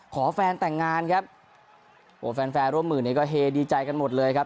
ขอแฟนแต่งงานครับโอ้แฟนแฟนร่วมหมื่นเนี่ยก็เฮดีใจกันหมดเลยครับ